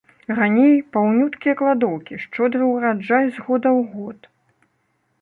Раней паўнюткія кладоўкі, шчодры ўраджай з года ў год.